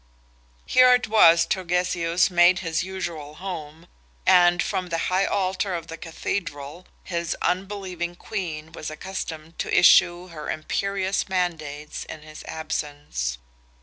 Here it was Turgesius made his usual home, and from the high altar of the Cathedral his unbelieving Queen was accustomed to issue her imperious mandates in his absence.